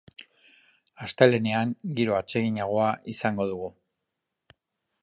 Astelehenean giro atseginagoa izango dugu.